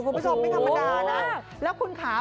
คุณผู้ชมไม่ธรรมดานะ